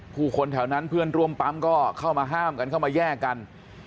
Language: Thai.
ผู้คนแถวนั้นเพื่อนร่วมปั๊มก็เข้ามาห้ามกันเข้ามาแยกกัน